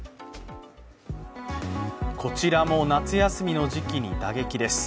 こちらも夏休みの時期に打撃です。